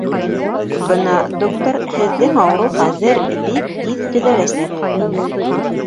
— Бына, доктор, һеҙҙең ауырыу хәҙер бик тиҙ төҙәләсәк, — тине.